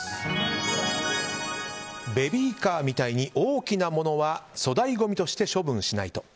ベビーカーみたいに大きなものは粗大ごみとして処分しないと。